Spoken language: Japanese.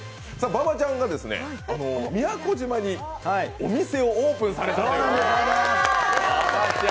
馬場ちゃんが宮古島にお店をオープンされたということです。